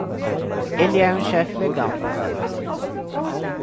Ele era um chefe legal.